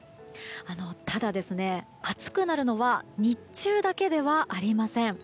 ただ、暑くなるのは日中だけではありません。